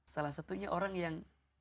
salah satunya orang yang